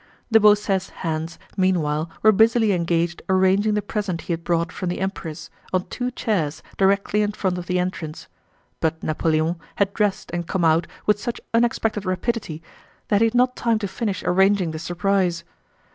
De Beausset's hands meanwhile were busily engaged arranging the present he had brought from the Empress, on two chairs directly in front of the entrance. But Napoleon had dressed and come out with such unexpected rapidity that he had not time to finish arranging the surprise.